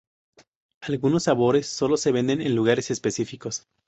Algunos sabores solo se venden en lugares específicos.